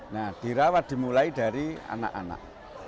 nah dirawat dimulai dari anak anak